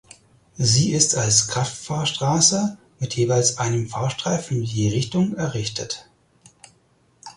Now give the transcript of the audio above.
Sie ist als Kraftfahrstraße mit jeweils einem Fahrstreifen je Richtung errichtet.